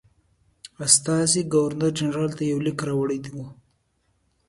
استازي ګورنرجنرال ته یو لیک راوړی وو.